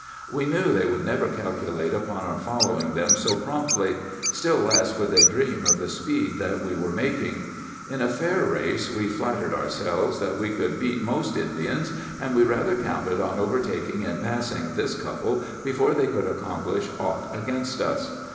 We knew they would never calculate upon our following them so promptly; still less would they dream of the speed that we were making. In a fair race we flattered ourselves that we could beat most Indians, and we rather counted on overtaking and passing this couple before they could accomplish aught against us.